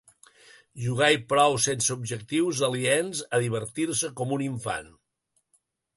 Jugar i prou, sense objectius aliens a divertir-se com un infant.